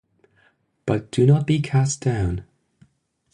But do not be cast down.